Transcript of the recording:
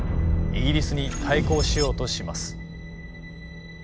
イギリスに対抗しようとします。